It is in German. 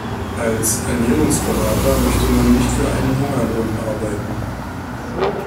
Als Ernährungsberater möchte man nicht für einen Hungerlohn arbeiten.